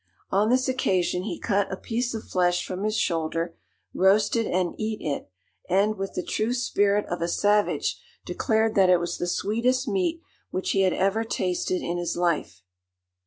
On this occasion he cut a piece of flesh from his shoulder, roasted and eat it, and, with the true spirit of a savage, declared that it was the sweetest meat which he had ever tasted in his life.